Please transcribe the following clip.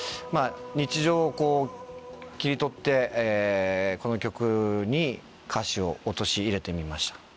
日常を切り取ってこの曲に歌詞を落とし入れてみました。